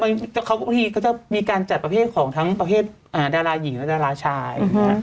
บางทีก็จะมีการจัดประเภทของทั้งประเภทดาราหญิงและดาราชาย